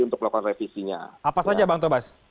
untuk melakukan revisinya apa saja bang tobas